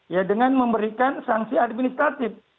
ya dengan memberikan sanksi administratif